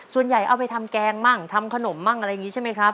เอาไปทำแกงมั่งทำขนมมั่งอะไรอย่างนี้ใช่ไหมครับ